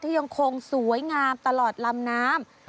ยังคงสวยงามตลอดลำน้ำ